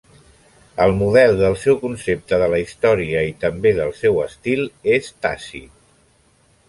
El model del seu concepte de la història i també del seu estil és Tàcit.